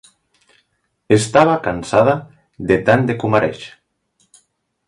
Estava cansada de tant de comareig.